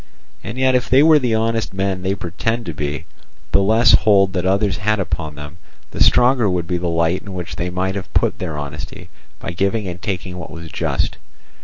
And yet if they were the honest men they pretend to be, the less hold that others had upon them, the stronger would be the light in which they might have put their honesty by giving and taking what was just.